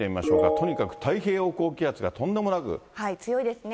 とにかく太平洋高気圧がとんでも強いですね。